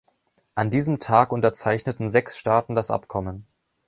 An diesem Tag unterzeichneten sechs Staaten das Abkommen.